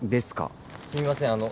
すみません。